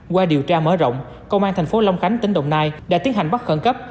qua điều tra mở rộng công an thành phố long khánh tỉnh đồng nai đã tiến hành bắt khẩn cấp